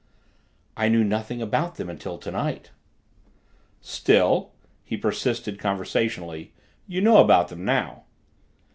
"I knew nothing about them until tonight." "Still," he persisted conversationally, "you know about them now."